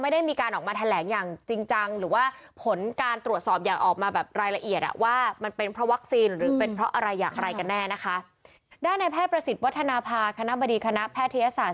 ด้านในแพทย์ประสิทธิ์พัฒนภาคณะบดีคณะแพทยศาสตร์